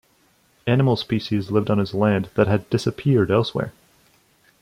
Animal species lived on his land that had disappeared elsewhere.